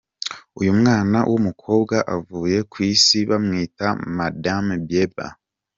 Uyu mwana w'umukobwa avuye ku isi bamwita madame Bieber.